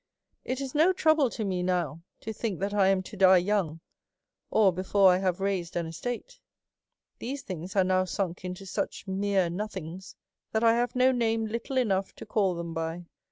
" It is no trouble to me now to think that 1 am to die young, or before I have raised an estate. " These things are now sunk into such mere no things, that I have no name little enough to call them by.